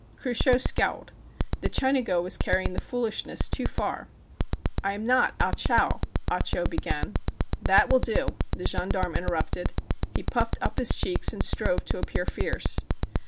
Cruchot scowled. The Chinago was carry ing the foolishness too far. "I am not Ah Chowã" Ah Cho began. "That will do," the gendarme interrupted. He puffed up his cheeks and strove to appear fierce.